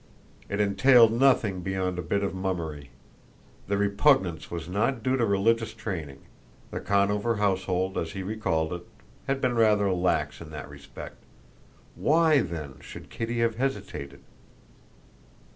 It entailed nothing beyond a bit of mummery. The repugnance was not due to religious training. The Conover household, as he recalled it, had been rather lax in that respect. Why, then, should Kitty have hesitated?